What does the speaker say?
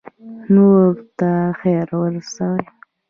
نورو ته خیر ورسوئ